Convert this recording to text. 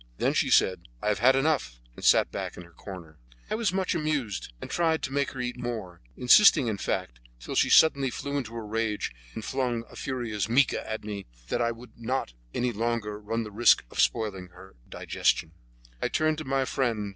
Then she said, "I have had enough," and sat back in her corner. I was much amused, and tried to make her eat more, insisting, in fact, till she suddenly flew into a rage, and flung such a furious mica at me, that I would no longer run the risk of spoiling her digestion. I turned to my friend.